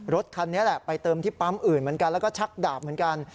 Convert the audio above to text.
รถคันนี้แหละไปเติมที่ปั๊มอื่นเหมือนกันแล้วก็ชักดาบเหมือนกัน